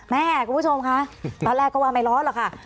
คุณผู้ชมคะตอนแรกก็ว่าไม่ร้อนหรอกค่ะ